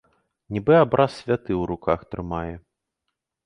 Нібы абраз святы ў руках трымае!